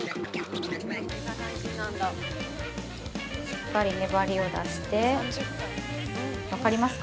しっかり粘りを出します。